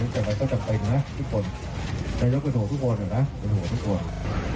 จะจำเป็นนะทุกคนนายกรัฐมนตรีพวกเถอะนะ